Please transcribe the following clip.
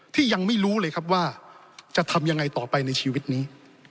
ที่ยังไม่รู้เลยครับว่าจะทำยังไงต่อไปในชีวิตนี้